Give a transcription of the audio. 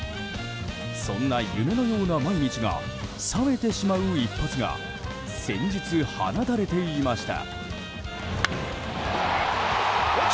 そんな夢のような毎日が覚めてしまう一発が先日、放たれていました。